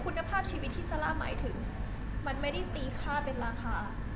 คุณภาพชีวิตที่ซาร่าหมายถึงมันไม่ได้ตีค่าเป็นราคา